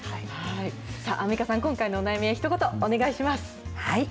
アンミカさん、今回のお悩みにひと言、お願いします。